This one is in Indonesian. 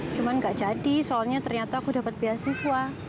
cuma nggak jadi soalnya ternyata aku dapat beasiswa